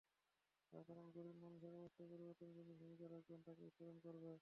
সাধারণ গরিব মানুষের অবস্থার পরিবর্তনে যিনি ভূমিকা রাখবেন, তাঁকেই স্মরণ করবে।